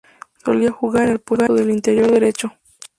Solía jugar en el puesto de interior derecho.